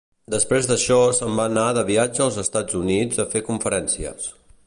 Després d'això se'n va anar de viatge als Estats Units a fer conferències.